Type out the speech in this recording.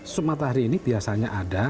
sup matahari ini biasanya ada